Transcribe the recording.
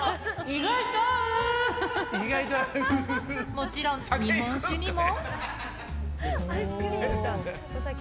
もちろん、日本酒にも。